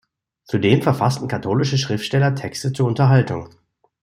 Zudem verfassten katholische Schriftsteller Texte zur Unterhaltung.